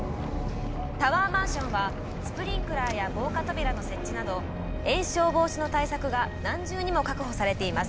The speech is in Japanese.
タワーマンションはスプリンクラーや防火扉の設置など延焼防止の対策が何重にも確保されています。